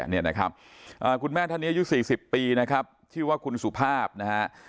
นี่นะครับคุณแม่ท่านนี้อายุ๔๐ปีนะครับชื่อว่าคุณสุภาพนะฮะ